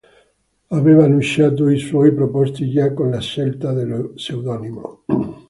Aveva annunciato i suoi propositi già con la scelta dello pseudonimo.